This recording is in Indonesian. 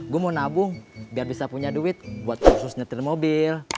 gue mau nabung biar bisa punya duit buat kursus nyetir mobil